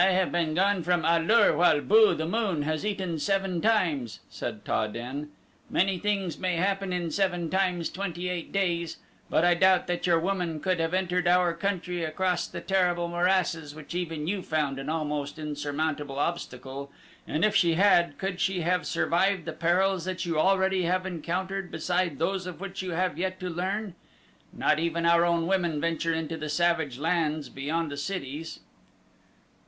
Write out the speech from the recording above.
"I have been gone from A lur while Bu, the moon, has eaten seven times," said Ta den. "Many things may happen in seven times twenty eight days; but I doubt that your woman could have entered our country across the terrible morasses which even you found an almost insurmountable obstacle, and if she had, could she have survived the perils that you already have encountered beside those of which you have yet to learn? Not even our own women venture into the savage lands beyond the cities."